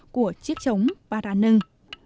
của chiếc trống paranưng